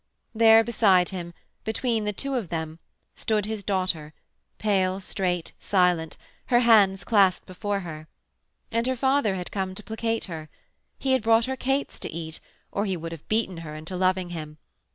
There beside him, between the two of them, stood his daughter pale, straight, silent, her hands clasped before her. And her father had come to placate her. He had brought her cates to eat, or he would have beaten her into loving him.